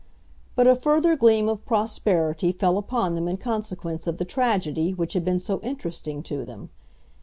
But a further gleam of prosperity fell upon them in consequence of the tragedy which had been so interesting to them.